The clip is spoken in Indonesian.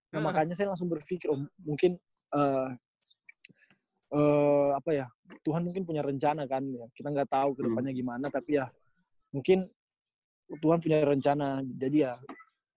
nah makanya saya langsung berpikir oh mungkin apa ya tuhan mungkin punya rencana kan kita gak tau kedepannya gimana tapi ya mungkin tuhan punya rencana jadi ya udah kayak